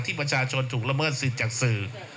ที่ประชาชนถูกละเมิดสินจากสื่อ